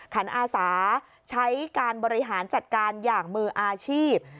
อันอาสาใช้การบริหารจัดการอย่างมืออาชีพ